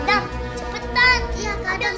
ambil cepetan kadang